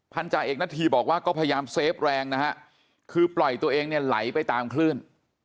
จ่าเอกณฑีบอกว่าก็พยายามเซฟแรงนะฮะคือปล่อยตัวเองเนี่ยไหลไปตามคลื่น